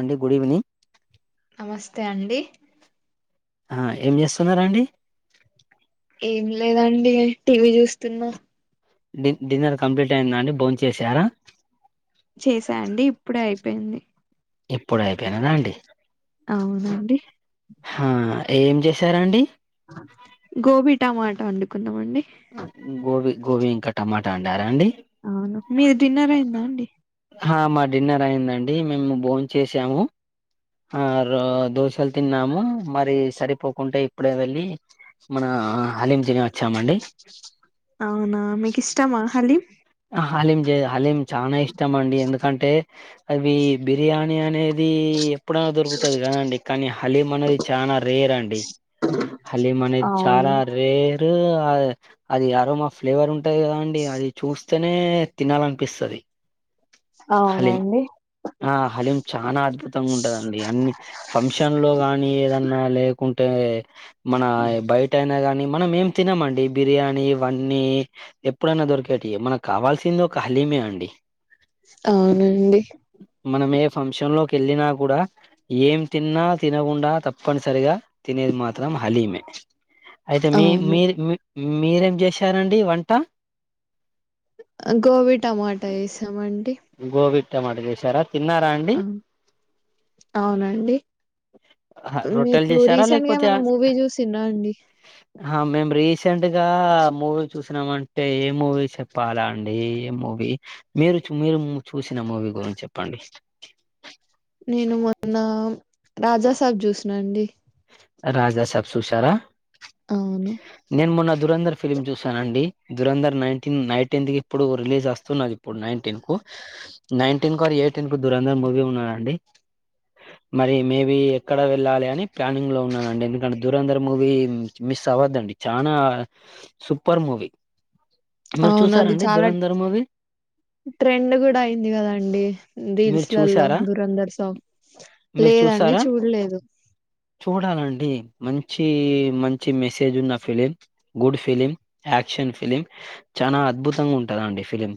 అండి good evening నమస్తే అండి ఆ ఏం చేస్తున్నారండి ఏం లేదండి టీవీ చూస్తున్నా డిన్నర్ కంప్లీట్ అయిందా అండి బోన్ చేసారా చేసా అండి ఇప్పుడే అయిపోయింది ఇప్పుడు అయిపోయినదా అండి అవునండి ఆ ఏం చేశారాండి గోబీ టమాటా వండుకుందాం అండి గోబీ గోబీ ఇంకా టమాటా వండరా అండి అవును మీరు డిన్నర్ అయిందా అండి మా డిన్నర్ అయిందండి మేము భోన్ చేసాము ఆ రో దోషాలు తిన్నాము మరి సరిపోకుంటే ఇప్పుడే వెళ్ళి మన అలీం తినోచ్చామండి అవునా మీకు ఇష్టమా హలీం ఆ, హలీం హలీం చాలా ఇష్టం అండి ఎందుకంటే అది బిర్యానీ అనేది ఎప్పుడైనా దొరుకుతంది కదండి కానీ హలీం అనేది చాలా రేర్ అండి అలీ మనేది చాలా అవును రేర్ అది ఆరోమా ఫ్లేవర్ ఉంటది కదా అండి అది చూస్త స్తనే తినాలనిపిస్తుంది హలీం అవునండి ఆ హలీం చాలా అద్భుతంగా ఉంటుంది అండి అన్ని ఫంక్షన్ లో గానీ ఏదన్నా లేకుంటే మన బయట అయినా కానీ మనం ఏం తినమండి బిర్యానీ ఇవన్నీ ఎప్పుడైనా దొరికవి మన కావాల్సింది ఒక మే అండి అవునండి మనం ఏ ఫంక్షన్ లోకి వెళ్ళిన కూడా ఏం తిన్నా తినకుండా తప్పనిసరిగా తినేది మాత్రం హలీమే అయితే మీ అవును మీరు మీరేమి చేసారండి వంట గోబీ టమాటా చేసామండి గోబి టమాట చేసారా తిన్నారా అండి అవును అవునండి రొట్టెలు మీరు చేశారా రీసెంట్ గా లేకపోతే మన మూవీ చూసిర అండి ఆ మేం రీసెంట్ గా మూవీ చూసినామంటే ఏ మూవీ చెప్పాలా అండి ఏ మూవీ మూవీ మీరు మీరు చూసిన మూవీ గురించి చెప్పండి నేను మొన్న రాజాసబ్ చూసిన అండి రాజా సబ్ చూసారా అవును నేను మొన్న దురంధర్ ఫిల్మ్ చూసానండి దురంధర్ నైన్టీన్ నైన్ టెన్త్ కి ఇప్పుడు రిలీజ్ వస్తున్నాది ఇప్పుడు నైన్ టెన్ కు నైన్టీన్ కు అరి ఎయిటీన్ కు దూరందర్ మూవీ ఉన్నదండి మరి మేబి ఎక్కడ వెళ్ళాలి అని ప్లానింగ్ లో ఉ డి ఎందుకంటే దూరంధ్ర మూవీ మిస్ అవద్దండి చాలా సూపర్ మూవీ మరి అవును అది చూసారండి చాలా దురంధరమువి ట్రెండ్ కూడా అయింది కదాండి మీరు రీల్స్లలో చూసారా దురంధర్ సాంగ్ లేదండి చూడలేదు చూడాలి డి మంచి మంచి మెసేజ్ ఉన్న film good film action film చాలా అద్భుతంగా ఉంటదండి ఫిలిం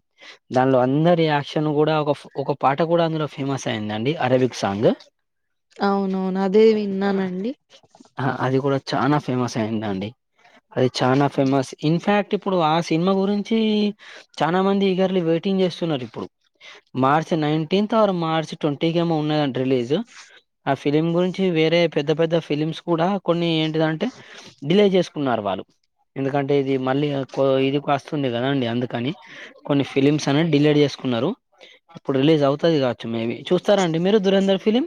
దానిలో అందరి యాక్షన్ కూడా ఒక ఒక పా పాట కూడా అందులో ఫేమస్ అయిందండి అరబిక్ సాంగ్ అవునవును అదే విన్నానండి ఆ అది కూడా చానా ఫేమస్ అయిందాండి అది చాన ఫేమస్ ఇన్ ఫ్యాక్ట్ ఇప్పుడు ఆ సినిమా గురించి చాల మంది ఈ గర్లు వెయిటింగ్ చేస్తున్నారు ఇప్పుడు మార్చి నైన్టీన్త్ ఆరు మార్చ్ ట్వంటీకి ఏమో ఉన్నాదంటా రిలీజ్ ఆ ఫిలిం గురించి వేరే పెద్ద పెద్ద ఫిలిమ్స్ కూడా కొన్ని ఏంటిదంటే డిలే చేసుకున్నారు వాళ్ళు ఎందుకంటే ఇది మళ్ళీ ఎక్కువ ఇది వస్తుంది కదాండి అందుకని కొన్ని ఫిలిమ్స్ అని డిలేడ్ చే చేసుకున్నరు ఇప్పుడు రిలీజ్ అవుతాది కావచ్చు మేబీ చూస్తార అండి మీరు దురంధర్ ఫిలిం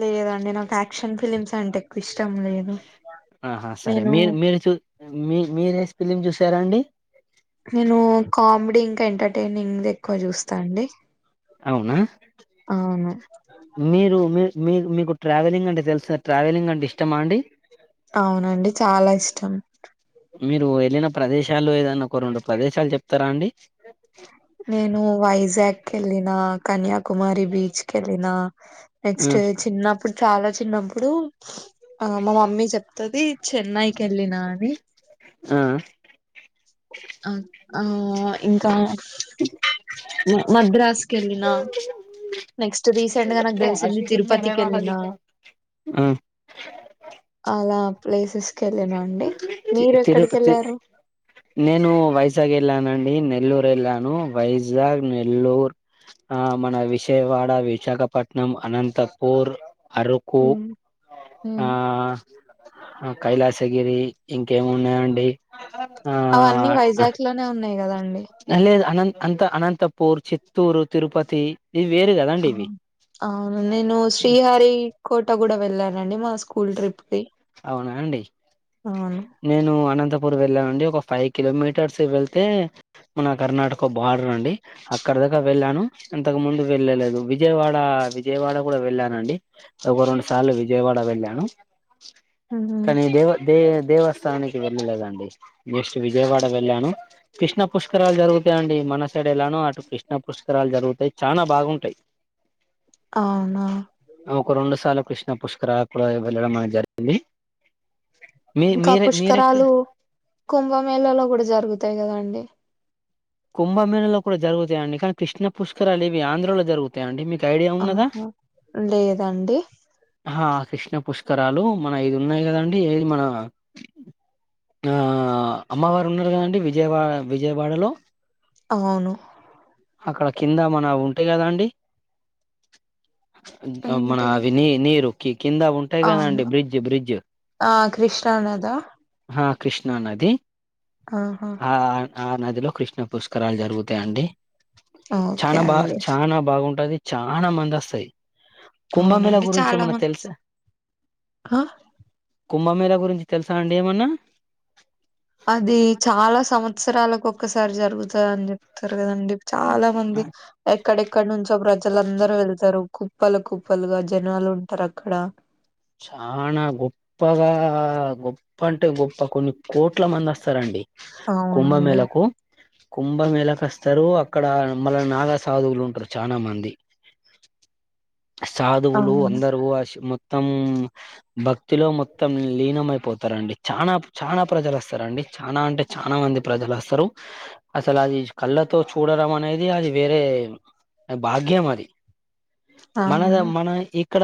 లేదండి నాకు యాక్షన్ ఫిలిమ్స్ అంటే ఎక్కువ ఇష్టం లేదు ఆహా సరే నేను మీరు మీరు చూ మీ మీరేసి ఫిలిం చూసారా అండి కామెడి ఇంకా ఎంటర్టైనింగ్ ఎక్కువ చూస్తా అండి అవునా అవును మీరు మీ మీ మీకు ట్రావెలింగ్ అంటే తెలుసా ట్రావెలింగ్ అంటే ఇష్టమా అండి అవునండి చాలా ఇష్టం మీరు వెళ్ళిన ప్రదేశాలొ ఏదన్నా ఒక రెండు ప్రదేశాలు చెప్తారా అండి నేను వైజాగ్ కి వెళ్ళిన కన్యాకుమారి బీచ్ కి వెళ్ళిన నెక్స్ట్ ఆ చిన్న నప్పుడు చాలా చిన్నప్పుడు ఆ మా మమ్మీ చెప్తాది చెన్నైకి ఎళ్ళినా అని ఆ ఆ ఇంకా మ మద్రాస్ కెల్లిన నెక్స్ట్ రీసెంట్ గా నాకు తెలిసింది తిరుపతికి వెళ్ళిన ఆ అలా ప్లేసెస్ కి వెళ్ళన అండి మీరు తిరు ఎక్కడికి త వెళ్ళారు నేను వైజాగ్ వెళ్ళనండి నిన్ నెల్లూరు వెళ్లాను వైజాగ్ నెల్లూరు ఆ మన విజయవాడ, విశాఖపట్నం, అనంతపూర్ అరుకు ఉమ్, ఆ ఉమ్. కైలాసగిరి ఇంకేమి ఉన్నాయండి అవన్నీ వైజాగ్ లోనే ఉన్నాయి కదండి అ లేదు అనంత అంత అనంతపూర్, చిత్తూరు, తిరుపతి ఇవి వేరు కదండి ఇవి అవును నేను శ్రీహరి కోట కూడా వెళ్ళానండి మా స్కూల్ ట్రిప్ కి అవునా అండి అవును నేను అనంతపు పూర్ వెళ్ళామండి ఒక ఫైవ్ కిలోమీటర్స్ వెళ్తే మన కర్ణాటక బార్డర్ అండి అక్కడ దాక వెళ్ళాను ఇంతకు ముందు వెళ్ళలేదు విజయవాడ విజయవాడ కూడా వెళ్ళానండి ఒక రెండు సార్లు విజయవాడ వెళ్ళా ఉహు. కానీ దేవ దో దేవస్థానానికి వెళ్ళలేదండి నెక్స్ట్ విజయవాడ వెళ్ళాను కృష్ణ పుష్కరాలు జరుగుతాయి అండి మన సెడ్ ఎలానో అటు కృష్ణ పుష్కరాలు జరుగుతాయి చానా బాగుంటాయి అవునా ఒక రెండు సార్లు కృష్ణ పుష్కరాలు [unintelligible] వెళ్లడం జరిగింది మీ ఇంకా మీరే మీరెక్క పుష్కరాలు కుంభమేళలో కూడా జరుగుతాయి కదాండి కుంభమేళలో కూడా జరుగుతాయిండి కానీ కృష్ణ పుష్కరాలు ఇవి ఆంధ్రలో జరుగుతాయండి మీకు మీకి ఐడియా ఉన్నాద ఆహా లేదండి కృష్ణ పుష్కరాలు మన ఇది ఉన్నాయి కదండి ఏది మన ఆ ఆ అమ్మవారు ఉన్నారు కదండి విజయవ విజయవాడలో అవును అక్కడ కింద మనవి ఉంటాయి కదా అండి మన ఏంటి అవి నీ నీరు కి కింద ఉంటాయి గదా అండి అవును బ్రిడ్జ్ బ్రిడ్జ్ ఆ కృష్ణానదా ఆ కృష్ణా నది ఆహా ఆ ఆ నదిలో కృష్ణా పుష్కరాలు జరుగుతాయండి ఓకే చానా బా అండి చానా బాగుం టది చానా మందోస్తాయి. కుంభమేళా అవునండి గురించి చాలా ఏమన్నా మంది తెలుసా? ఆ కుంభమేళా గురించి తెలుసా అండి ఏమన్నా? అది చాలా సంవత్సరాలకు ఒక్కసారి జరుగుతది అని చెప్తారు కదండి. చాలా ఆ మంది ఎక్ క్కడెక్కడ నుంచో ప్రజలందరూ వెళ్తారు కుప్పలు కుప్పలుగా జనాలు ఉంటారు అక్కడ. చానా గొప్పగా గొప్ప అంటే గొప్ప కొన్ని కోట్ల మంది వస్తారండి. అవునండి కుంభమేళాకస్తారు అక్కడ మళ్ళ నాగ సాధువులు ఉంటారు చానా మంది సాధువులు అవును అందరు అస్ మొత్ త్తం భక్తిలో మొత్తం లీనమయిపోతారండి చానా ప్ చానా ప్రజలు వస్తారండి. చానా అంటే చానా మంది ప్రజలు వస్తారు అసలు అది కళ్ళతో చూడడం అనేది అది వేరే వేరు నాకు భాగ్యమది. మనద అవును మన ఇక్కడ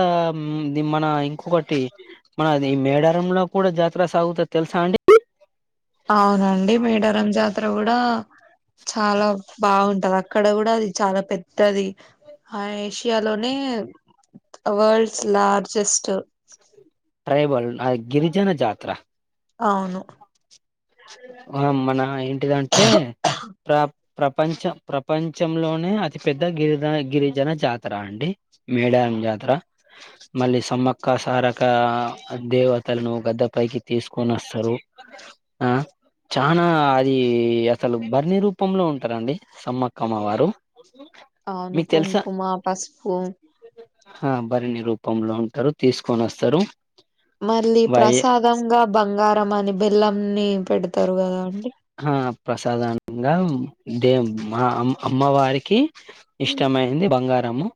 ది మన ఇంకొకటి మన ది మేడారంలో కూడా జాతర సాగుతది తెలుసా అండి? అవునండి మేడారం జాతర గూడా చాలా బావుంటది అక్కడ గూడా అది చాలా పెద్దది హా ఏషియాలోనే వాల్డ్స్ లార్జెస్ట్ ట్రైబల్ ఆది గిరిజన జాతర అవును ఆ మన ఏంటిదంటే ప్రా ప్రపంచ ప్రపంచంలోనే అతి పెద్ద గిరిదన గిరిజన జాతర అండి మేడా రం జాతర మళ్ళీ సమ్మక్క సారక్క దేవతలను గద్దె పైకి తీస్ తీసుకొని వస్తారు ఆ చానా అది అసలు బరిణి రూపంలో ఉంటారండి సమ్మక్క అమ్మ వారు అవును మీకు తెలుసా కుంకుమ పసుపు హా బరిణి రూపంలో ఉంటారు తీసుకొని వస్తారు. మళ్ళీ వై ప్రసాదంగా బంగారం అని బెల్లం ని పెడతరు గదా అండి హా అవునండి ప్రసాదానంగా దే మా అమ్ అమ్మవారికి హ్మ్. ఇష్టమయింది బంగార్ రము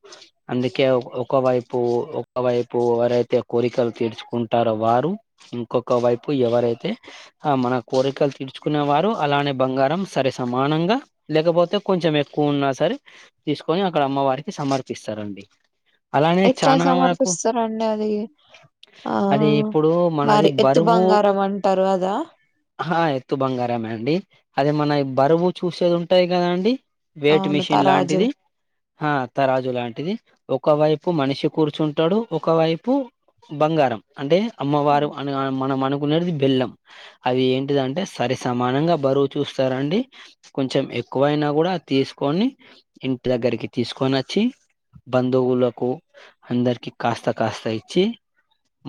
అందుకే ఒక్ ఒకవైపు ఒకవైపు ఎవరైతే కోరికలు తీర్చుకుంటార్ రో వారు ఇంకొక వైపు ఎవరైతే హా మన కోరికలు తీర్ ర్చుకునే వారు అలానే బంగారం సరి సమానంగా లేకపోతే కొంచెం ఎక్కువ ఉన్నా సరే త్ తీసుకొని అక్కడ అమ్మవారికి సమర్పిస్తారండి. అలానే ఎట్లా చానా వరకు సమర్పిస్తారండి అది ఆ అది ఇప్పుడు మనది మరి ఎత్తు బరువు బంగారం అంటారు కదా ఆ ఎత్తు బంగ్ కారమే అండి అదే మన బరువు చూసేది ఉంటది కదండి. వైట్ అవును మిషిన్ తరాజు లాంటిది. ఆ తరాజు లాంటిది ఒకవైపు మనిషి కూర్చుంటాడు ఒకవైపు బంగార్ రం అంటే అమ్మవారు హ్మ్. అని అన మనం అనుకునేటిది బెల్లం అది ఏంటిదింటే సరి సమానంగా బరువు చూస్తారండి కొంచెం ఎక్కువైనా గూడా తీసుకొని ఇం టి దగ్గరికి తీసుకొని వచ్చి బంధువులకు అందరికి కాస్త కాస్త ఇచ్చి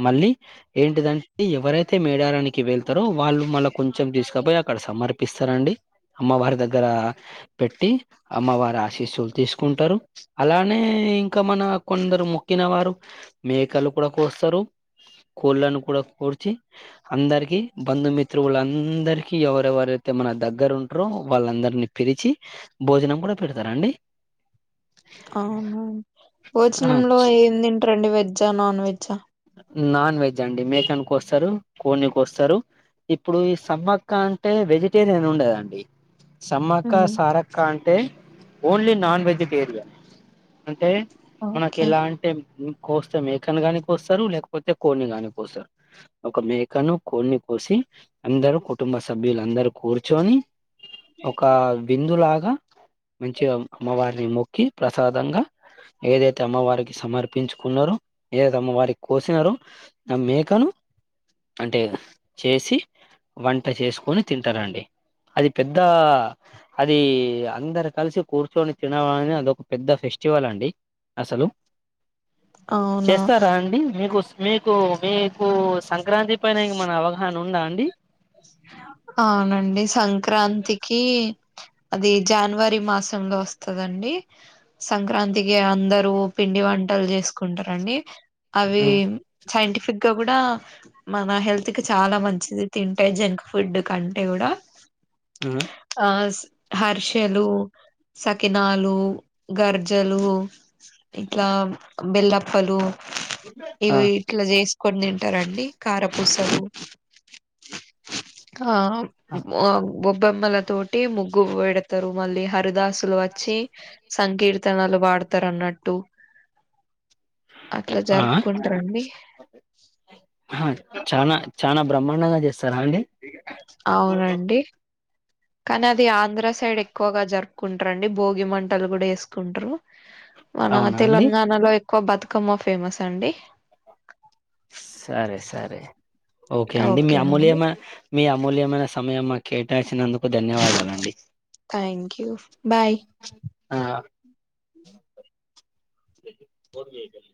మళ్ళీ ఏంటిదండి ఎవరైతే మేడారానికి వెళ్తారో వాళ్ళు మళ్లా కొం చెం తీసుకపోయి అక్కడ సమర్పిస్తారండి అమ్మవారి దగ్గర పెట్టి అమ్మవారి ఆస్ శీస్సులు తీసుకుంటారు అలానే ఇంకా మన కొందరు మొక్కిన వారు మేకలు కూడ కోస్తారు కోళ్ళను కూడా కోర్చి అందరికి బంధుమిత్రువులన్ అందరికి ఎవరెవరైతే మన దగ్గర ఉంటారో వాళ్ళందరినీ పిలిచి భోజనం కూడా పెడతారండి. అవునా ఆ పోచనంలో ఏమి తింటారండి వెజ్జా నాన్ వెజ్జా నాన్ వెజ్ అండి మేకన్కోస్తారు కోడ్ని కోస్తరు ఇప్పుడు ఈ సమ్మక్క అంటే వెజిటేరియన్ ఉండేదా అండి సమ్మక్క హ్మ్. సారక్క అంటే ఓన్లీ నాన్ వెజిటేరియన్ అంటే మనకి ఓకే ఎలా అంటే కోస్తే మేకను గాని కోస్తారు లేకపోతే కోడ్ని గాని కోస్తారు ఒక మేకను కోడ్ని కోసి అందరూ కుటుంబ కుటుంబ సభ్యులందరు కూర్చొని ఒక విందులాగా మంచిగా అమ్మవారిని మొ క్కి ప్రసాదంగా ఏదైతే అమ్మవారికి సమర్పించుకున్నారో ఏ అమ్మ వారికి కోసినారొ నా మేకను అంటే చేసి వంట చేసుకొని తింటారండి. అది పెద్ద అది అందరు కలిసి కూర్చొని తినాలని అదొక పెద్ద ఫెష్ స్టివల్ అండి అసలు అవునా? చేస్తారా అండి మీకుస్ మీకు మీ మీకు సంక్రాంతి పైన ఇగ మన అవగాహన ఉందా అండి అవునండి సంక్రాంతికి ఈ అది జాన్వరి మాసంలో వస్తదండి సంక్రాంతికి ఆమ్ అందరూ పిండి వంటలు చేసుకుంటారండి అవి సైంటిఫిక్గా కూడా మన హెల్త్ కి చాలా మంచిది తింటే జంక్ ఫుడ్ కంటే కూడా ఆ హర్షెలు సకినాలు గర్జలు ఇట్లా బెల్లప్పలు ఇవి ఇట్లా చేసుకొని తింటారండి కార పూసలు కా మ్ బొ బొమ్మల తోటి ముగ్గు పెడతారు మళ్ళీ హరిదాసులు వచ్చి సంకీర్త త్తనాలు వాడతారు అన్నట్టు. అట్లా జరుపుకుంటారండి. హా చానా చానా బ్రహ్మాండంగా చేస్తారా అండి. అవునండి కానీ అది ఆంధ్ర సైడ్ ఎ ఎక్కువగా జరుపుకుంటారు అండి భోగి మంటలు కూడా వేసుకుంటారు మన అవునా అండి తెలంగాణలో ఎక్కువ బతుకమ్మ ఫేమస్ అండి. సరే సరే ఓకే అండి మీ అమూల్యమై మీ అమూల్యమైన సమయం మాకు కేటాయించినందుకు ధన్యవాదాలండి థ్యాంక్ యూ బాయ్ ఆ ఫోన్ చెయ్